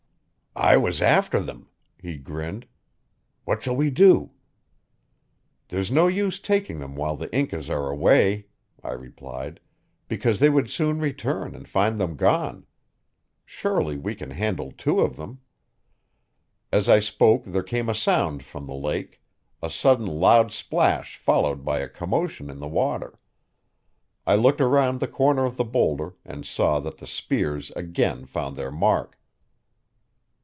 "I was after them," he grinned. "What shall we do?" "There's no use taking them while the Incas are away," I replied, "because they would soon return and find them gone. Surely we can handle two of them." As I spoke there came a sound from the lake a sudden loud splash followed by a commotion in the water. I looked around the corner of the boulder and saw that the spears again found their mark.